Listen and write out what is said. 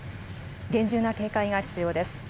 厳重な警戒が必要です。